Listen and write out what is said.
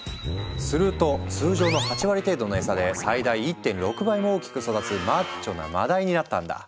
すると通常の８割程度の餌で最大１．６倍も大きく育つマッチョなマダイになったんだ。